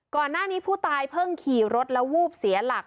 ก่อนหน้านี้ผู้ตายเพิ่งขี่รถแล้ววูบเสียหลัก